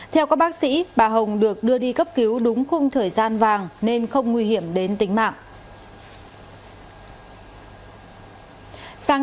theo các bác sĩ bà hồng được đưa đi cấp cứu đúng khung thời gian vàng nên không nguy hiểm đến tính mạng